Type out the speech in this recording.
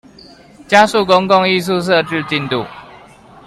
加速公共藝術設置進度